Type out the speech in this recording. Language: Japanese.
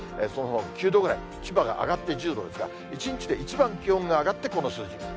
そのほか９度ぐらい、千葉が上がって１０度ですから、一日で一番気温が上がって、この数字。